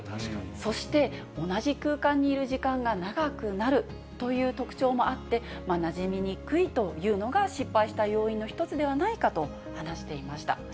そして、同じ空間にいる時間が長くなるという特徴もあって、なじみにくいというのが失敗した要因の一つではないかと話していました。